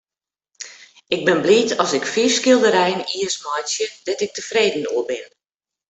Ik bin bliid as ik fiif skilderijen jiers meitsje dêr't ik tefreden oer bin.